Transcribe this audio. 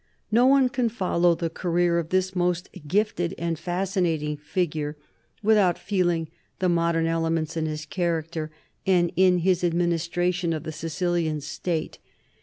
No one can follow the career of this most gifted and fascinating figure without feeling the modern elements in his char acter and in his administration of the Sicilian state.